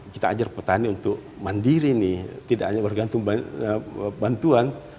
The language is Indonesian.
kita ajar petani untuk mandiri ini tidak hanya bergantung bantuan